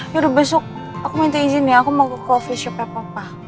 yaudah besok aku minta izin nih aku mau ke coffee shopnya papa